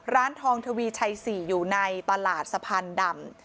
ร้านทองทวีชัย๔อยู่ในตลาดสะพานดำ